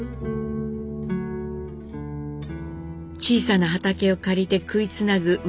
小さな畑を借りて食いつなぐ